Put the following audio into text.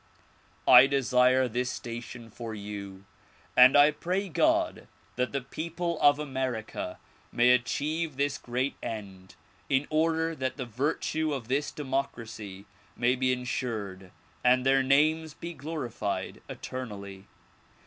I desire this station for you and I pray God that the people of America may achieve this great end in order that the virtue of this democracy may be insured and their names be glorified eternally.